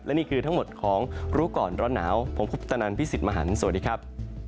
นี่คือทั้งหมดของรู้ก่อนร้อนหนาวผมคุปตนันพี่สิทธิ์มหันฯสวัสดีครับ